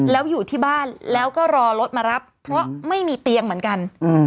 แล้วอยู่ที่บ้านแล้วก็รอรถมารับเพราะไม่มีเตียงเหมือนกัน